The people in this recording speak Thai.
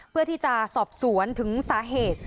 เพื่อที่จะสอบสวนถึงสาเหตุ